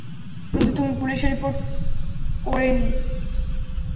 কিন্তু তুমি পুলিশে রিপোর্ট করেনি।